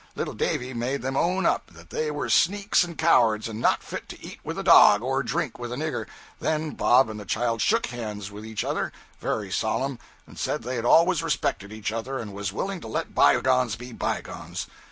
Little Davy made them own up that they were sneaks and cowards and not fit to eat with a dog or drink with a nigger; then Bob and the Child shook hands with each other, very solemn, and said they had always respected each other and was willing to let bygones be bygones.